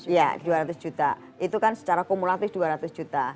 iya dua ratus juta itu kan secara kumulatif dua ratus juta